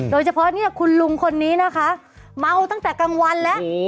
โดยเฉพาะเนี่ยคุณลุงคนนี้นะคะเมาตั้งแต่กลางวันแล้ว